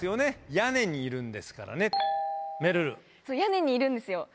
屋根にいるんですよ。